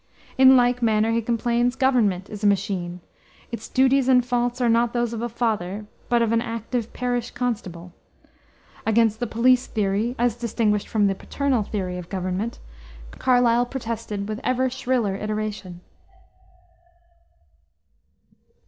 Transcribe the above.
In like manner, he complains, government is a machine. "Its duties and faults are not those of a father, but of an active parish constable." Against the "police theory," as distinguished from the "paternal" theory of government, Carlyle protested with ever shriller iteration.